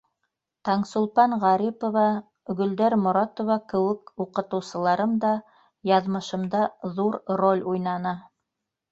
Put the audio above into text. Таңсулпан Ғарипова, Гөлдәр Моратова кеүек уҡытыусыларым да яҙмышымда ҙур роль уйнаны.